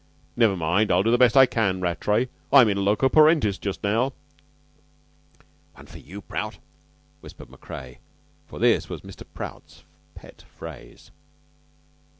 Never mind. I'll do the best I can, Rattray. I'm in loco parentis just now." ("One for you, Prout," whispered Macrea, for this was Mr. Prout's pet phrase.)